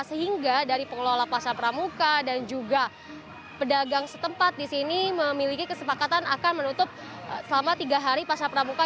sehingga dari pengelola pasar pramuka dan juga pedagang setempat di sini memiliki kesepakatan akan menutup selama tiga hari pasar pramuka